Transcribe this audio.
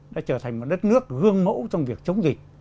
đã trở thành một đất nước gương mẫu trong việc chống dịch